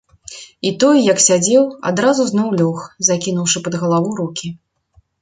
І той, як сядзеў, адразу зноў лёг, закінуўшы пад галаву рукі.